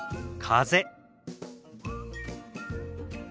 風。